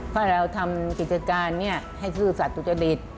เพราะเราทำกิจการนี้ให้สื่อสัตว์ตุจดิต